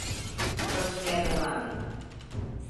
Çalışmaya devam edin.